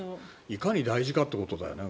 いかに大事かということだよね